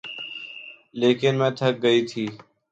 لیکن میں تھک گئی تھی